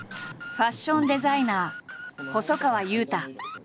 ファッションデザイナー細川雄太。